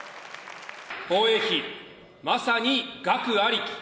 防衛費、まさに額ありき。